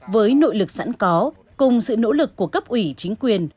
với nội lực sẵn có cùng sự nỗ lực của cấp ủy chính quyền